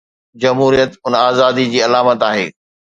جمهوريت ان آزادي جي علامت آهي.